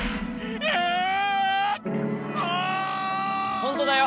ほんとだよ！